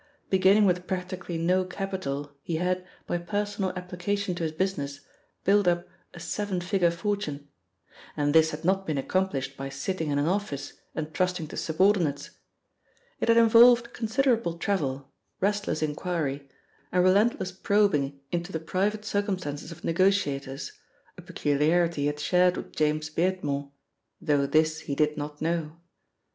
Beginning with practically no capital, he had, by personal application to his business, built up a seven figure fortune. And this had not been accomplished by sitting in an office and trusting to subordinates. It had involved considerable travel, restless inquiry and relentless probing into the private circumstances of negotiators, a peculiarity he had shared with James Beardmore, though this he did not know.